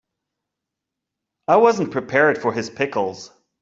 I wasn't prepared for his pickles.